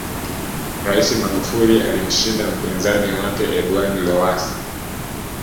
raisi magufuli alimshinda mpinzani wake edward lowasa